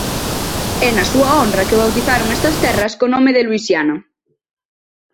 É na súa honra que bautizaron estas terras co nome de Luisiana.